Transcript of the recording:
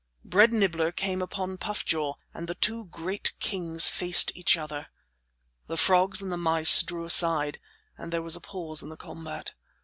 Bread Nibbler came upon Puff jaw, and the two great kings faced each other. The frogs and the mice drew aside, and there was a pause in the combat.